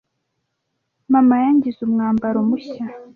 Mama yangize umwambaro mushya.